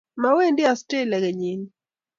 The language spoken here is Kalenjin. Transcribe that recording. mowendi australia kenyini